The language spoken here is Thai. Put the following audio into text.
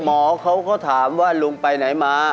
หมอเขาก็ถามว่าลุงไปไหนมา